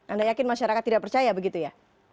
anda yakin masyarakat tidak percaya begitu ya